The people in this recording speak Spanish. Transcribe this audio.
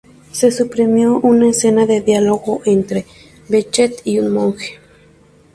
Se suprimió una escena de diálogo entre Becket y un monje.